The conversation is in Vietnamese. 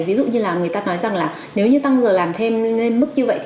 ví dụ như là người ta nói rằng là nếu như tăng giờ làm thêm lên mức như vậy thì